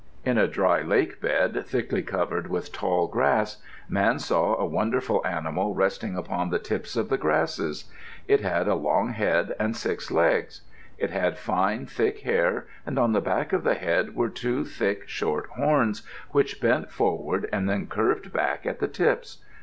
In a dry lake bed, thickly covered with tall grass, Man saw a wonderful animal resting upon the tips of the grasses. It had a long head and six legs. It had fine, thick hair, and on the back of the head were two thick, short horns which bent forward and then curved back at the tips.